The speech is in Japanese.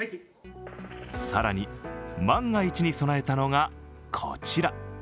更に、万が一に備えたのがこちら。